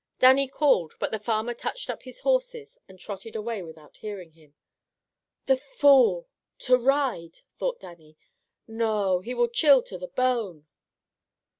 Dannie called, but the farmer touched up his horses and trotted away without hearing him. "The fool! To ride!" thought Dannie. "Noo he will chill to the bone!".